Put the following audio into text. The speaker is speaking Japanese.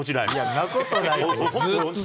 そんなことないですよ。